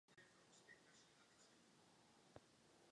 Rusko je dnes dobře řízené.